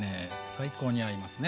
最高に合いますね。